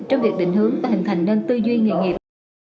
trong việc định hướng và hình thành nâng tư duyên nghệ nghiệp